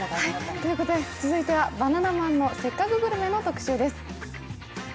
ということで、続いてはバナナマンの「せっかくグルメ！！」の特集です。